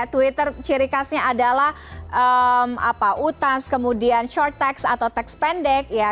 twitter ciri khasnya adalah utans kemudian short text atau text pendek